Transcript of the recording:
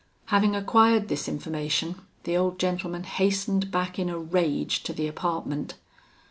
"Having acquired this information, the old gentleman hastened back in a rage to the apartment.